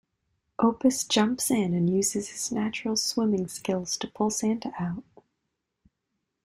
Opus jumps in and uses his natural swimming skills to pull Santa out.